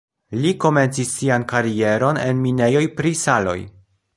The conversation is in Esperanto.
Li komencis sian karieron en minejoj pri saloj.